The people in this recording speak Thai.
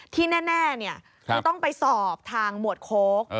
ที่แน่คือต้องไปสอบทางหมวดโค้ก